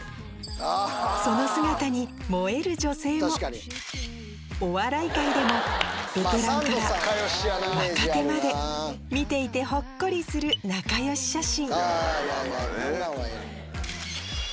その姿にお笑い界でもベテランから若手まで見ていてほっこりする仲良し写真